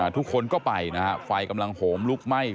ทุกคนก็ไปนะฮะไฟกำลังโหมลุกไหม้